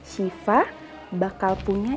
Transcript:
sifat bakal punya